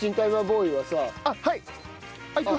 あっはい。